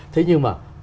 thế nhưng mà